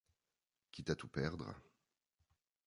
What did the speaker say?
Quitte à tout perdre…